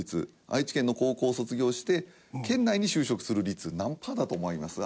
愛知県の高校卒業して県内に就職する率何パーだと思います？